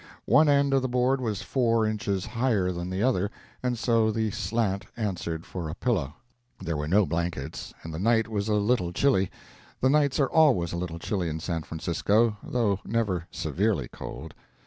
One end of the board was four inches higher than the other, and so the slant answered for a pillow. There were no blankets, and the night was a little chilly; the nights are always a little chilly in San Francisco, though never severely cold.